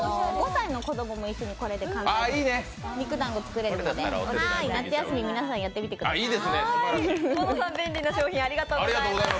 ５歳の子どもも一緒にこれで肉団子作れるので夏休み、皆さんやってみてください。